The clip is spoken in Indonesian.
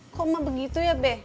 kok emak begitu ya be